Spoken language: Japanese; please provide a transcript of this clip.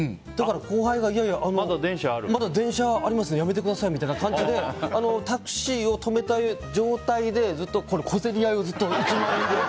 後輩がまだ電車ありますんでやめてくださいみたいな感じでタクシーを止めた状態でずっと小競り合いを。